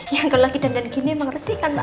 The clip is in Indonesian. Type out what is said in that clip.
ya kalau laki laki gini emang resik kan mbak